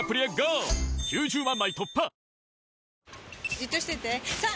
じっとしてて３！